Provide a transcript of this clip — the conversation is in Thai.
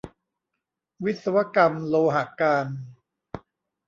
วิศวกรรมโลหการ